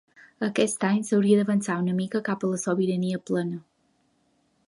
Aquest any s'hauria d'avançar una mica cap a la sobirania plena.